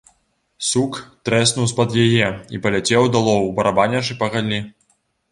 Сук трэснуў з-пад яе і паляцеў далоў, барабанячы па галлі.